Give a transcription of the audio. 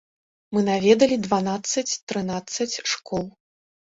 Мы наведалі дванаццаць-трынаццаць школ.